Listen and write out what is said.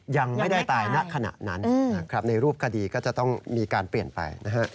ยังไม่ได้ตายณขณะนั้นนะครับในรูปคดีก็จะต้องมีการเปลี่ยนไปนะฮะ